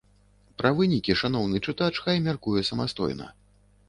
Пра вынікі шаноўны чытач хай мяркуе самастойна.